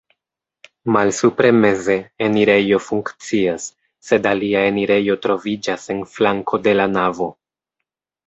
Malsupre meze enirejo funkcias, sed alia enirejo troviĝas en flanko de la navo.